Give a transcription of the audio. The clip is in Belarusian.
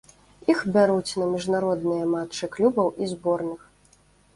Іх бяруць на міжнародныя матчы клубаў і зборных.